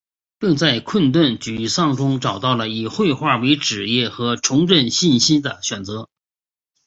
并在困顿沮丧中找到了以绘画为职业和重振信心的选择。